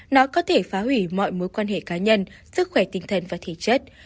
nó có thể phá hủy mọi mối quan hệ cá nhân sức khỏe tinh thần và thể chất